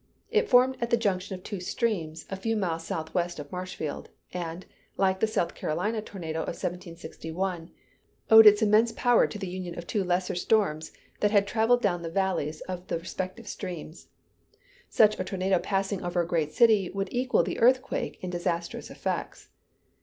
It formed at the junction of two streams, a few miles southwest of Marshfield; and, like the South Carolina tornado of 1761, owed its immense power to the union of two lesser storms that had traveled down the valleys of the respective streams. Such a tornado passing over a great city would equal the earthquake in disastrous effects.